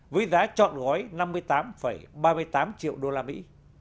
với giá trọn gói năm mươi tám ba mươi tám triệu đô la mỹ